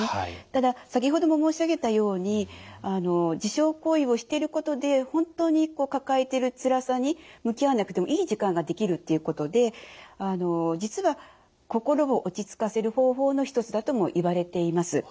ただ先ほども申し上げたように自傷行為をしてることで本当に抱えてるつらさに向き合わなくてもいい時間ができるっていうことで実は心を落ち着かせる方法の一つだともいわれています。